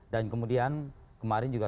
dan kemudian kemarin juga